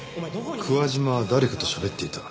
桑島は誰かとしゃべっていた。